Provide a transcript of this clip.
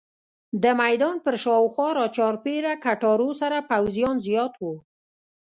د میدان پر شاوخوا راچاپېره کټارو سره پوځیان زیات وو.